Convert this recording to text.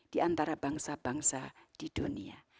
di antara bangsa bangsa di dunia